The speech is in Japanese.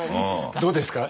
どうですか？